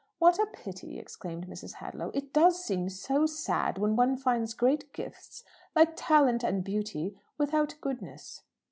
"What a pity!" exclaimed Mrs. Hadlow. "It does seem so sad when one finds great gifts, like talent and beauty, without goodness!"